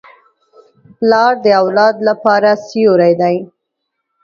پلار د اولاد لپاره سیوری دی.